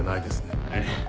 ええ。